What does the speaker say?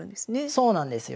そうなんですよ。